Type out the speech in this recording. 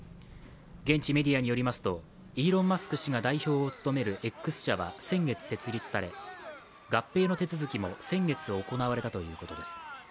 現地メディアによりますと、イーロン・マスク氏が代表を務めるＸ社は先月設立され、合併の手続きも先月行われたということです。